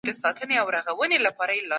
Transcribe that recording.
په کتابتونونو کي بايد کوم ډول اثار موجود وي؟